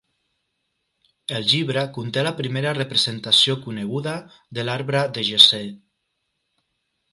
El llibre conté la primera representació coneguda de l'"Arbre de Jessè".